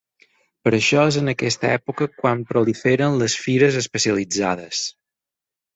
Per això és en aquesta època quan proliferen les fires especialitzades.